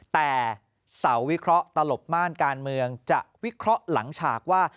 แต่เสาวิเคราะห์ตลบม่านการเมืองจะวิเคราะห์หลังฉากว่า